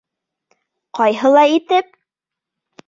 Ҡайһылай итеп?